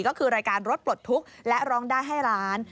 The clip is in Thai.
ก็คือรายการรถปลดทุกข์และร้องได้ให้ร้าน